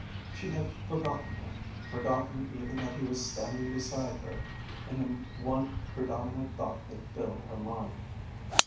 She had forgotten him, forgotten even that he was standing beside her, in the one predominant thought that filled her mind.